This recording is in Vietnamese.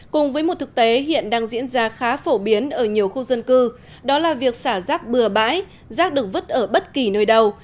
cùng với một thực tế hiện đang diễn ra khá phổ biến ở nhiều khu dân cư đó là việc xả rác bừa bãi rác được vứt ở bất kỳ nơi đâu